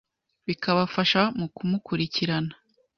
bikabafasha mu kumukurikirana